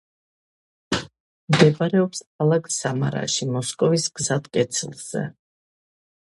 მდებარეობს ქალაქ სამარაში მოსკოვის გზატკეცილზე.